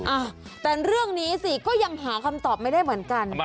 อ่ะแต่เรื่องนี้สิก็ยังหาคำตอบไม่ได้เหมือนกัน